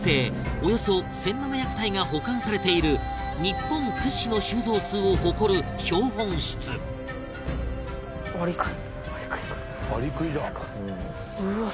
およそ１７００体が保管されている日本屈指の収蔵数を誇る標本室蓮君：うわっ！